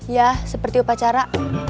ya seperti upacara